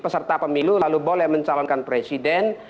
peserta pemilu lalu boleh mencalonkan presiden